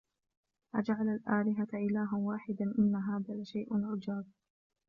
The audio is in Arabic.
أجعل الآلهة إلها واحدا إن هذا لشيء عجاب